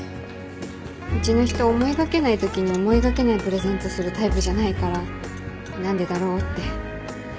うちの人思いがけないときに思いがけないプレゼントするタイプじゃないから何でだろうって。